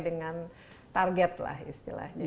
dengan target lah istilahnya